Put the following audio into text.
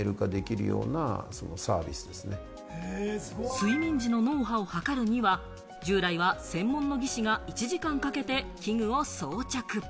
睡眠時の脳波を測るには、従来は専門の技師が１時間かけて器具を装着。